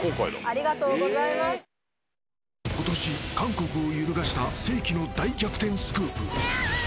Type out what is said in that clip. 今年、韓国を揺るがした世紀の大逆転スクープ。